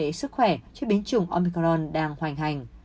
để sức khỏe chế biến chủng omicron đang hoành hành